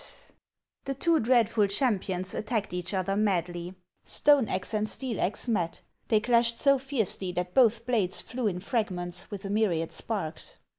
The two dreadful champions attacked each other madly. 404: HANS OF ICELAND. Stone axe and steel axe met ; they clashed so fiercely that both blades flew in fragments, with a myriad sparks.